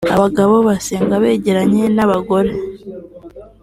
abagabo basenga begeranye n’abagore